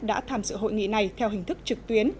đã tham dự hội nghị này theo hình thức trực tuyến